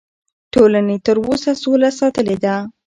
ټولنې تر اوسه سوله ساتلې ده.